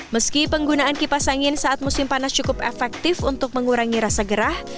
meski penggunaan kipas angin saat musim panas cukup efektif untuk mengurangi rasa gerah